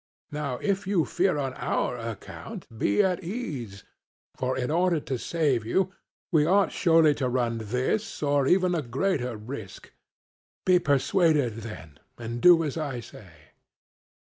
Now, if you fear on our account, be at ease; for in order to save you, we ought surely to run this, or even a greater risk; be persuaded, then, and do as I say.